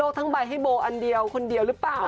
ทั้งใบให้โบอันเดียวคนเดียวหรือเปล่า